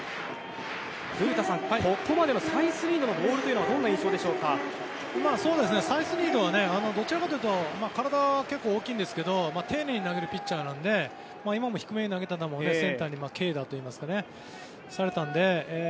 古田さん、ここまでのサイスニードのボールはサイスニードはどちらかというと体、結構、大きいんですけど丁寧に投げるピッチャーなので今も低めに投げた球がセンターへ軽打といいますか、されたので。